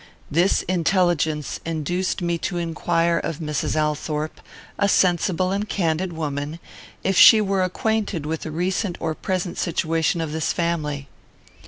This intelligence induced me to inquire of Mrs. Althorpe, a sensible and candid woman, if she were acquainted with the recent or present situation of this family.